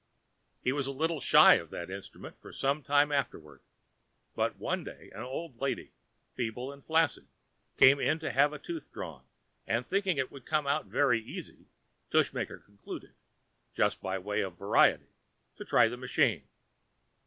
He was a little shy of that instrument for some time afterward; but one day an old lady, feeble and flaccid, came in to have a tooth drawn, and thinking it would come out very easy, Tushmaker concluded, just by way of variety, to try the machine.